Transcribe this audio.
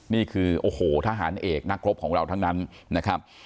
นี่คือโอ้โหทหารเอกนักรบของเราทั้งนั้นนะครับ